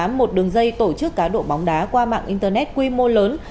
một đường dây tổ chức cá độ bóng đá qua mạng internet quy mô lớn